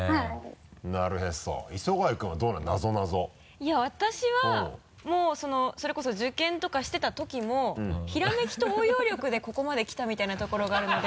いや私はそれこそ受験とかしてたときもひらめきと応用力でここまで来たみたいなところがあるので。